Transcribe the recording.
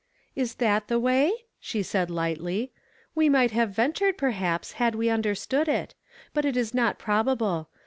" Is that the way ?" she said lightly ;« we might luive ventured, perhaps, had we underetood it ; but it is not probable.